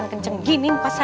kencing gini muka saya